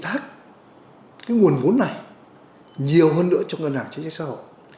thức dự tác cái nguồn vốn này nhiều hơn nữa trong ngân hàng chính sách xã hội